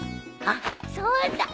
あっそうだ。